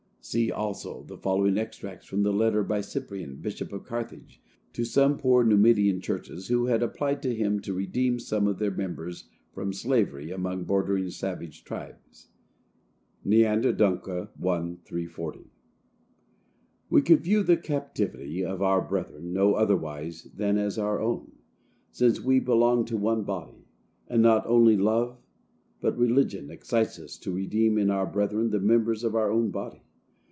See, also, the following extracts from a letter by Cyprian, Bishop of Carthage, to some poor Numidian churches, who had applied to him to redeem some of their members from slavery among bordering savage tribes. (Neander Denkw. I. 340.) We could view the captivity of our brethren no otherwise than as our own, since we belong to one body, and not only love, but religion, excites us to redeem in our brethren the members of our own body.